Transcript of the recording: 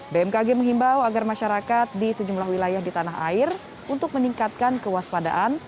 bmkg menghimbau agar masyarakat di sejumlah wilayah di tanah air untuk meningkatkan kewaspadaan